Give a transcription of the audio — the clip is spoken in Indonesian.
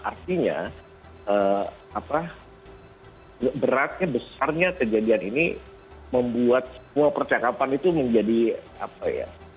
artinya beratnya besarnya kejadian ini membuat semua percakapan itu menjadi apa ya